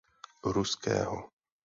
Ruského.